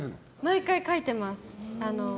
毎回書いています。